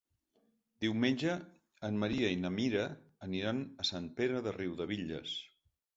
Diumenge en Maria i na Mira aniran a Sant Pere de Riudebitlles.